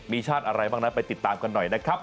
มีชาติอะไรบ้างนั้นไปติดตามกันหน่อยนะครับ